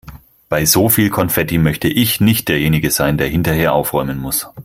Bei so viel Konfetti möchte ich nicht derjenige sein, der hinterher aufräumen muss.